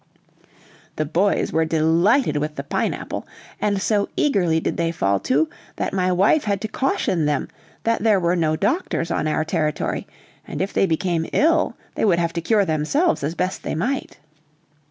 The boys were delighted with the pine apple, and so eagerly did they fall to, that my wife had to caution them that there were no doctors on our territory, and if they became ill, they would have to cure themselves as best they might.